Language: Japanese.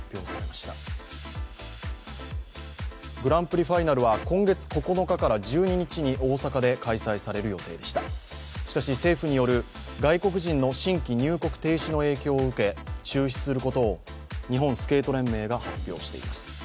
しかし政府による外国人の新規入国停止の要請を受け中止することを日本スケート連盟が発表しています。